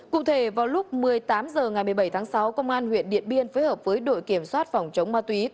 cụ thể vào lúc một mươi tám h ngày một mươi bảy tháng sáu công an huyện điện biên phối hợp với đội kiểm soát phòng chống ma túy